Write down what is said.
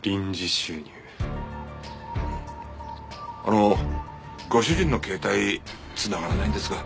あのご主人の携帯繋がらないんですが。